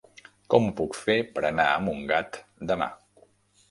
Com ho puc fer per anar a Montgat demà?